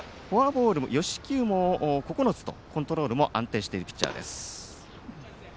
フォアボールも９つとコントロールも安定しているピッチャーです